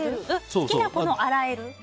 好きな子のを洗える？